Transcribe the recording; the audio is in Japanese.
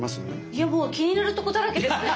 いやもう気になるとこだらけですね。